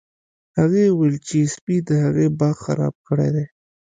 هغې وویل چې سپي د هغې باغ خراب کړی دی